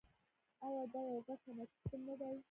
آیا دا یو ګډ صنعتي سیستم نه دی؟